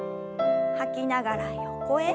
吐きながら横へ。